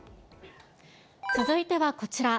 続いてはこちら。